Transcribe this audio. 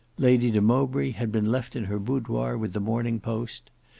Lady de Mowbray had been left in her boudoir with the "Morning Post."